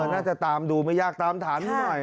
น่าจะตามดูไม่ยากตามฐานดูหน่อย